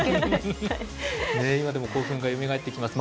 今でも興奮がよみがえってきます。